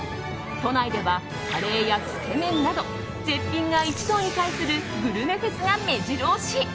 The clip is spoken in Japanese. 都内ではカレーやつけ麺など絶品が一堂に会するグルメフェスが目白押し。